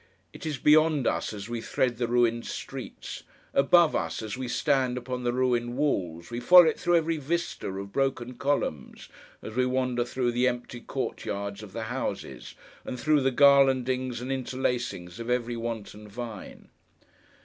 It is beyond us, as we thread the ruined streets: above us, as we stand upon the ruined walls, we follow it through every vista of broken columns, as we wander through the empty court yards of the houses; and through the garlandings and interlacings of every wanton vine.